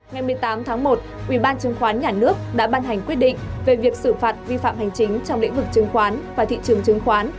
ngày một mươi tám tháng một ubnd đã ban hành quyết định về việc xử phạt vi phạm hành chính trong lĩnh vực chứng khoán và thị trường chứng khoán